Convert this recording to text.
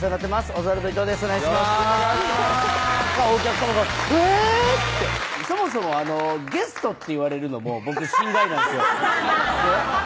オズワルド伊藤ですお願いしますお客さまが「えぇ！」ってそもそも「ゲスト」って言われるのも僕心外なんですよアハハハハッ！